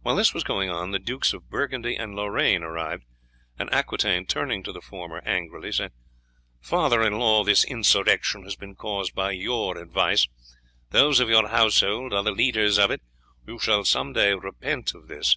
While this was going on the Dukes of Burgundy and Lorraine arrived, and Aquitaine, turning to the former angrily, said: "Father in law, this insurrection has been caused by your advice; those of your household are the leaders of it; you shall some day repent of this.